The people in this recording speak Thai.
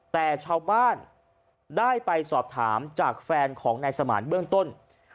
แต่ชาวบ้านได้ไปสอบถามจากแฟนของนายสมานเบื้องต้น